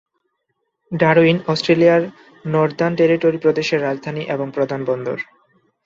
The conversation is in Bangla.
ডারউইন অস্ট্রেলিয়ার নর্দার্ন টেরিটরি প্রদেশের রাজধানী এবং প্রধান বন্দর।